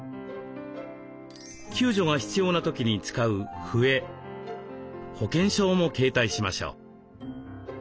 救助が必要な時に使う笛保険証も携帯しましょう。